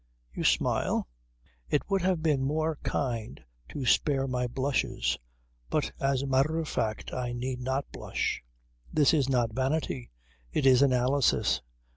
"You smile? It would have been more kind to spare my blushes. But as a matter of fact I need not blush. This is not vanity; it is analysis.